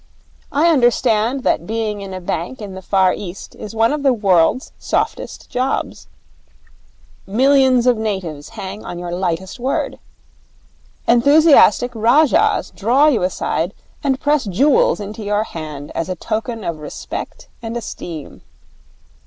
I understand that being in a bank in the Far East is one of the world's softest jobs. Millions of natives hang on your lightest word. Enthusiastic rajahs draw you aside and press jewels into your hand as a token of respect and esteem.